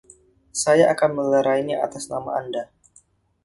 Saya akan melerainya atas nama Anda.